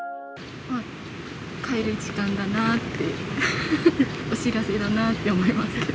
帰る時間だなって、お知らせだなって思います。